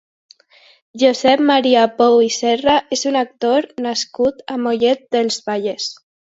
Josep Maria Pou i Serra és un actor nascut a Mollet del Vallès.